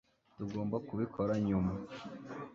Tugomba kubikora nyuma